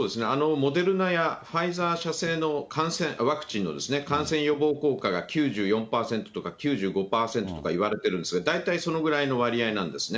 モデルナやファイザー社製のワクチンの感染予防効果が９４％とか９５％とかいわれてるんですが、大体そのぐらいの割合なんですね。